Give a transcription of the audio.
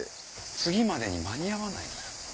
次までに間に合わない。